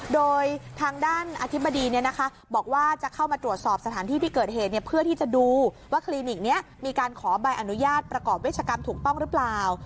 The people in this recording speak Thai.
โดยทางด้านอธิบดีบอกว่าจะเข้ามาตรวจสอบสถานที่ที่เกิดเหตุเพื่อที่จะดูว่าคลินิกนี้มีการขอใบอนุญาตประกอบเวชกรรมถูกต้องหรือเปล่า